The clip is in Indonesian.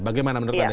bagaimana menurut anda